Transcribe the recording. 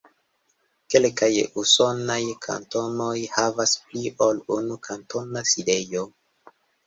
Kelkaj usonaj kantonoj havas pli ol unu kantona sidejo.